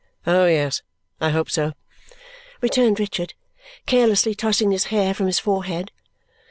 "Oh, yes, I hope so," returned Richard, carelessly tossing his hair from his forehead.